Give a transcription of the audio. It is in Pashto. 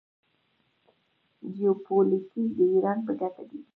جیوپولیټیک د ایران په ګټه دی.